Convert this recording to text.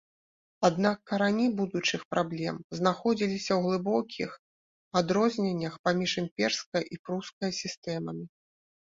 Аднак карані будучых праблем знаходзіліся ў глыбокіх адрозненнях паміж імперскае і прускае сістэмамі.